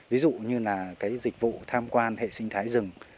ví dụ như là cái dịch vụ tham quan hệ sinh thái rừng